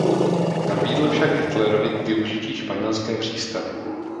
Nabídl však Hitlerovi k využití španělské přístavy.